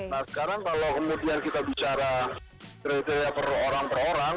nah sekarang kalau kemudian kita bicara kriteria per orang per orang